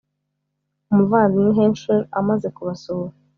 umuvandimwe henschel amaze kubasura